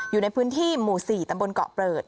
อยู่ในพื้นที่หมู่๔ตำบลเกาะเปิด